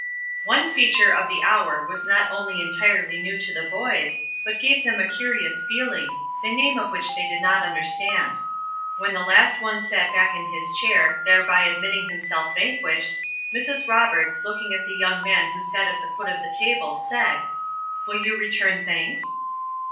One feature of the hour was not only entirely new to the boys, but gave them a curious feeling, the name of which they did not understand. When the last one sat back in his chair, thereby admitting himself vanquished, Mrs. Roberts, looking at the young man who sat at the foot of the table, said: "Will you return thanks?"